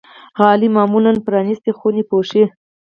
غالۍ معمولا پرانيستې خونې پوښي.